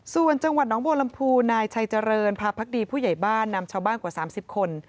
ส่วนจังหวัดน้องบัวลำพูนายชัยเจริญพาพักดีผู้ใหญ่บ้านนำชาวบ้านกว่า๓๐คน